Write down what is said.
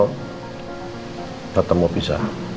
takut mau pisah